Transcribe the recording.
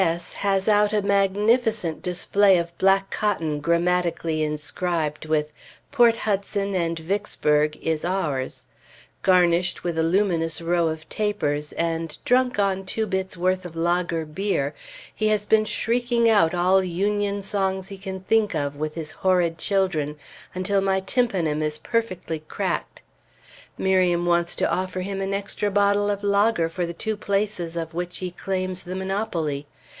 S has out a magnificent display of black cotton grammatically inscribed with "Port Hudson and Vicksburg is ours," garnished with a luminous row of tapers, and, drunk on two bits' worth of lager beer, he has been shrieking out all Union songs he can think of with his horrid children until my tympanum is perfectly cracked. Miriam wants to offer him an extra bottle of lager for the two places of which he claims the monopoly.